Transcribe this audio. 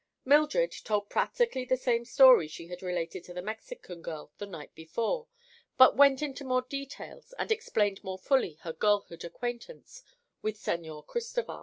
Mildred told practically the same story she had related to the Mexican girl the night before, but went more into details and explained more fully her girlhood acquaintance with Señor Cristoval.